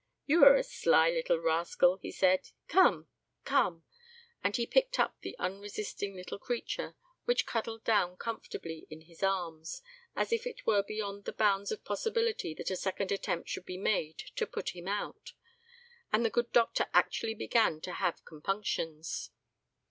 "You are a sly little rascal," he said; "come, come," and he picked up the unresisting little creature, which cuddled down comfortably in his arms, as if it were beyond the bounds of possibility that a second attempt should be made to put him out, and the good doctor actually began to have compunctions.